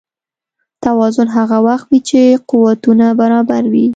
توازن هغه وخت وي چې قوتونه برابر وي.